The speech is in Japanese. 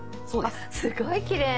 あっすごいきれい。